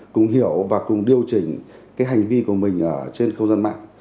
cùng hiểu và cùng điều chỉnh hành vi của mình trên khâu dân mạng